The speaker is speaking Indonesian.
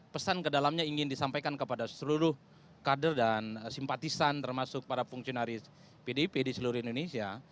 pesan ke dalamnya ingin disampaikan kepada seluruh kader dan simpatisan termasuk para fungsionaris pdip di seluruh indonesia